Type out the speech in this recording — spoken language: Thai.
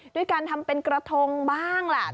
ด้วยการทำเป็นกระทงบ้างล่ะ